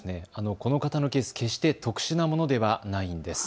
この方のケース、決して特殊なものではないんです。